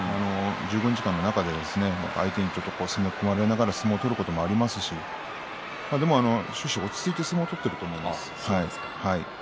１５日間の中で相手に攻め込まれながら相撲を取ることもありますしでも終始落ち着いて相撲を取っていると思います。